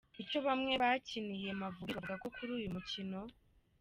Icyo bamwe mu bakiniye Amavubi bavuga kuri uyu mukino.